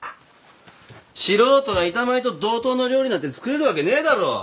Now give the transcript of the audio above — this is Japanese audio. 素人が板前と同等の料理なんて作れるわけねえだろ！